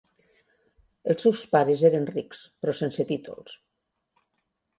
Els seus pares eren rics però sense títols.